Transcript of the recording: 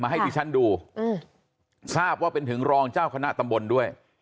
ให้ดิฉันดูทราบว่าเป็นถึงรองเจ้าคณะตำบลด้วย